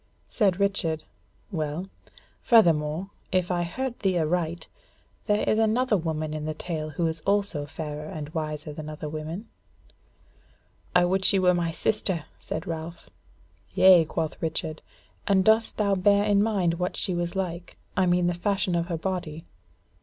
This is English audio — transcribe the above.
Said Richard: "Well, furthermore, if I heard thee aright, there is another woman in the tale who is also fairer and wiser than other women?" "I would she were my sister!" said Ralph. "Yea," quoth Richard, "and dost thou bear in mind what she was like? I mean the fashion of her body."